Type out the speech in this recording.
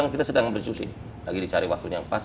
kita sedang berdiskusi lagi dicari waktunya yang pas